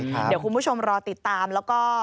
เดี๋ยวคุณผู้ชมรอติดตามแล้วก็